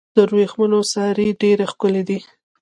د ورېښمو سارۍ ډیرې ښکلې دي.